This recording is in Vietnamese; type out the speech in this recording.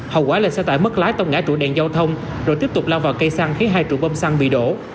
hậu quả là xe tải mất lái tông ngã trụ đèn giao thông rồi tiếp tục lao vào cây xăng khiến hai trụ bơm xăng bị đổ